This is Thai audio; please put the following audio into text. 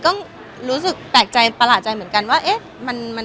คุณพุทธอังกฤษก็คือไรที่หรือแม่ภูติก็คือพิมาช่า